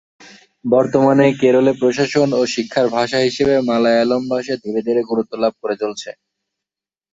বর্তমানে কেরলে প্রশাসন ও শিক্ষার ভাষা হিসেবে মালয়ালম ভাষা ধীরে ধীরে গুরুত্ব লাভ করে চলেছে।